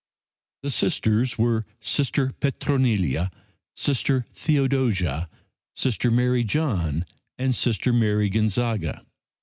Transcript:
The Sisters were Sister Petronilla, Sister Theodosia, Sister Mary John and Sister Mary Gonzaga.